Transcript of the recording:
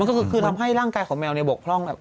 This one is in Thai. ก็คือทำให้ร่างกายของแมวเนี่ยบกพร่อง